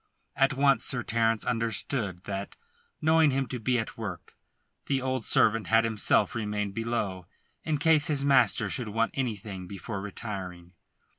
At once Sir Terence understood that, knowing him to be at work, the old servant had himself remained below in case his master should want anything before retiring.